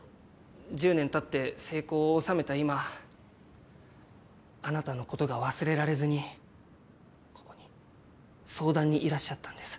１０年経って成功を収めた今あなたのことが忘れられずにここに相談にいらっしゃったんです。